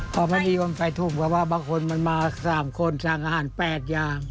พอพระอียมใส่ทุ่มก็ว่าบางคนมันมา๓คนสั่งอาหาร๘อย่าง